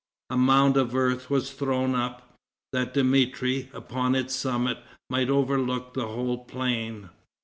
A mound of earth was thrown up, that Dmitri, upon its summit, might overlook the whole plain.